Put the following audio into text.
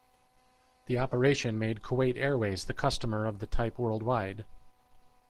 The operation made Kuwait Airways the customer of the type worldwide.